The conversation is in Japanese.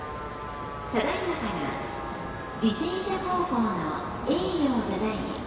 ただいまから履正社高校の栄誉をたたえ